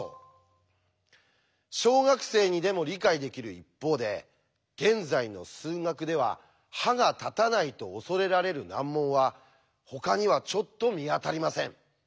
小学生にでも理解できる一方で現在の数学では歯が立たないと恐れられる難問はほかにはちょっと見当たりません。